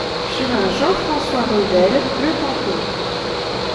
Chemin Jean-Francois Revel, Le Tampon